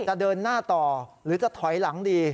จะเดินหน้าต่อหรือจะถอยหลังดี